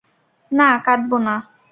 না,,, কাদবো না।